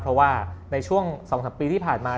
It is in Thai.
เพราะว่าในช่วง๒๓ปีที่ผ่านมา